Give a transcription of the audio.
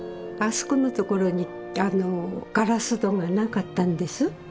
あそこのところにガラス戸がなかったんです。